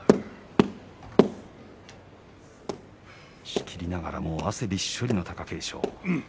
仕切りながらも汗びっしょりの貴景勝。